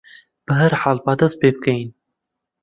بەهەرحاڵ با دەست پێ بکەین.